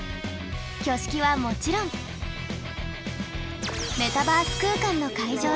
挙式はもちろんメタバース空間の会場で。